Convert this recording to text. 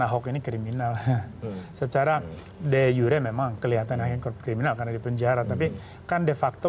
ahok ini kriminal secara de jure memang kelihatan akhirnya kriminal karena di penjara tapi kan de facto